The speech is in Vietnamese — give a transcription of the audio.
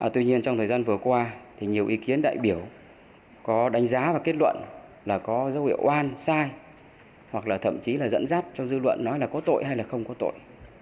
tuy nhiên trong thời gian vừa qua thì nhiều ý kiến đại biểu có đánh giá và kết luận là có dấu hiệu oan sai hoặc là thậm chí là dẫn dắt cho dư luận nói là có tội hay là không có tội